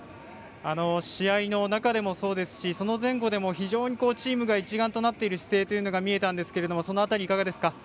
試合の中でもそうですしその前後でもチームが一丸となっている姿勢が見えたんですがその辺り、いかがですか？